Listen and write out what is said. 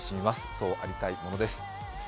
そうありたいものです。